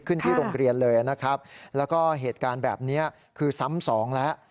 ที่โรงเรียนเลยนะครับแล้วก็เหตุการณ์แบบนี้คือซ้ำสองแล้ว